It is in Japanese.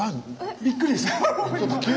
びっくりでした。